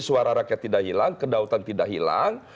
suara rakyat tidak hilang kedaulatan tidak hilang